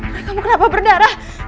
roy kamu kenapa berdarah